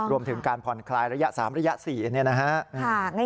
รวมถึงการผ่อนคลายระยะ๓ระยะ๔